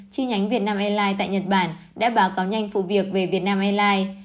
chi nhánh việt nam airlines tại nhật bản đã báo cáo nhanh vụ việc về việt nam airlines